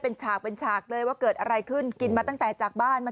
ขอบคุณพี่มากเลยผมเหนียวจะตายอ่ะ